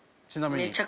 ちなみに？